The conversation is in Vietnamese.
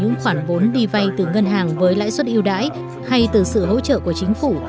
những khoản vốn đi vay từ ngân hàng với lãi suất yêu đãi hay từ sự hỗ trợ của chính phủ